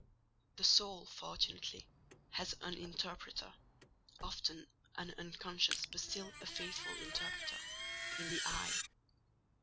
The soul, fortunately, has an interpreter—often an unconscious, but still a truthful interpreter—in the eye.